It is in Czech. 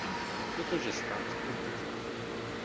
Protože stát se to může.